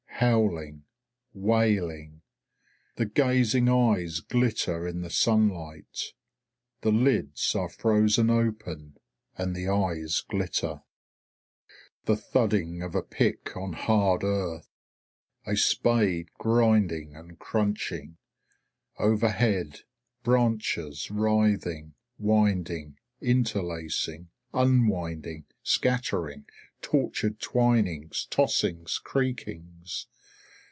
Howling, wailing. The gazing eyes glitter in the sunlight. The lids are frozen open and the eyes glitter. The thudding of a pick on hard earth. A spade grinding and crunching. Overhead, branches writhing, winding, interlacing, unwinding, scattering; tortured twinings, tossings, creakings.